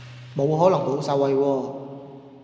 冇可能冇受惠喎